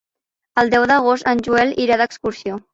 El deu d'agost en Joel irà d'excursió.